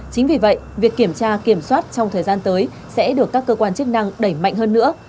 chính vì vậy việc kiểm tra kiểm soát trong thời gian tới sẽ được các cơ quan chức năng đẩy mạnh hơn nữa